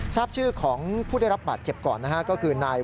ทราบชื่อของผู้ได้รับบัตรเจ็บก่อนคือนายโวฬาซับเฉลิมซับอายุ๒๕ปี